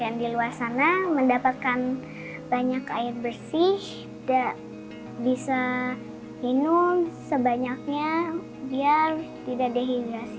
yang diluar sana mendapatkan banyak air bersih dan bisa minum sebanyaknya biar tidak dehidrasi